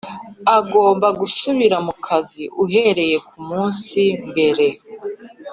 agomba gusubira mu kazi uhereye ku munsi mbere